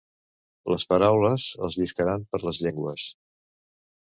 Les paraules els lliscaran per les llengües.